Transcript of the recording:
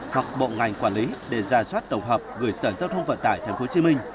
hoặc bộ ngành quản lý để ra soát tổng hợp gửi sở giao thông vận tải tp hcm